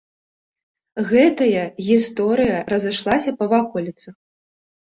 Гэтая гісторыя разышлася па ваколіцах.